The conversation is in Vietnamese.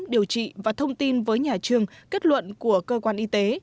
điều trị và thông tin với nhà trường kết luận của cơ quan y tế